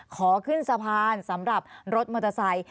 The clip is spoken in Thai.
ขอขึ้นสะพานสำหรับรถมอเตอร์ไซค์